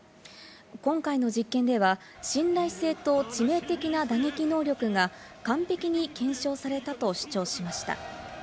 今回の実験では信頼性と致命的な打撃能力が完璧に検証されたと主張しました。